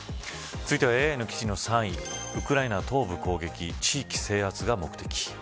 ＡＩの記事の３位ウクライナ東部攻撃地域制圧が目的。